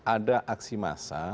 ada aksi massa